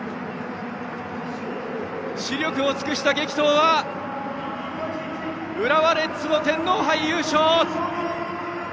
死力を尽くした激闘は浦和レッズの天皇杯優勝！